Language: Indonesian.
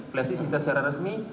flashdisk disita secara resmi